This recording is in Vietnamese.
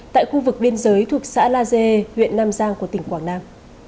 tại khu vực biên giới thuộc xã la dê huyện nam giang của tỉnh quảng nam